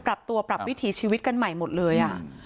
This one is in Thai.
ปรับตัวปรับวิถีชีวิตกันใหม่หมดเลย